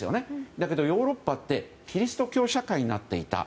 だけどヨーロッパってキリスト教社会になっていた。